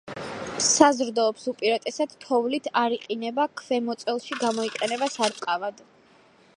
საზრდოობს უპირატესად თოვლით, არ იყინება, ქვემოწელში გამოიყენება სარწყავად.